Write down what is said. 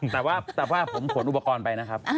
แต่ว่าผมขนอุปกรณ์ไปนะครับ